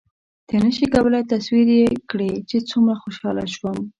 ته نه شې کولای تصور یې کړې چې څومره خوشحاله شوم.